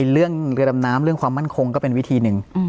เรื่องเรือดำน้ำเรื่องความมั่นคงก็เป็นวิธีหนึ่ง